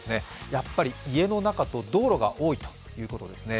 やっぱり家の中と道路が多いということですね。